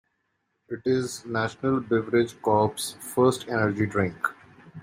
It is National Beverage Corp.'s first energy drink.